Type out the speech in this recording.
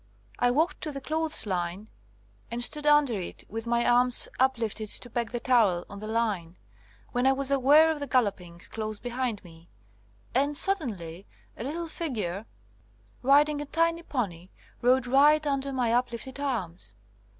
I walked to the clothes line, and stood under it with my arms uplifted to peg the towel on the line, when I was aware of the galloping close behind me, and suddenly a little figure, riding a tiny pony, rode right under my uplifted arms.